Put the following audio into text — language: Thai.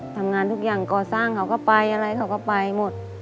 ทำงานทุกอย่างก่อสร้างเขาก็ไปอะไรเขาก็ไปหมด